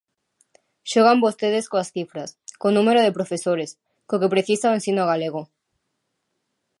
Xogan vostedes coas cifras, co número de profesores, co que precisa o ensino galego.